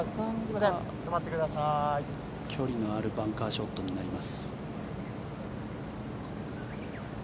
距離のあるバンカーショットになります。